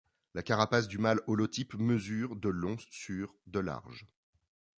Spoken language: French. La carapace du mâle holotype mesure de long sur de large.